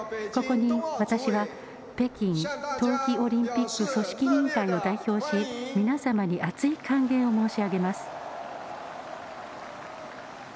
ここに私は北京冬季オリンピック組織委員会を代表し、皆様に厚い歓迎を申し上げます。